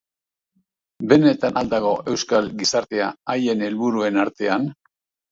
Benetan al dago euskal gizartea haien helburuen artean?